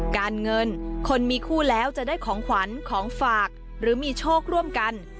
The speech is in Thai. การเงินคนมีคู่แล้วจะได้ของขวัญของฝากหรือมีโชคร่วมกัน